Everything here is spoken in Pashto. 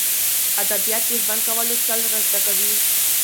ادبیات د ژوند کولو چل را زده کوي.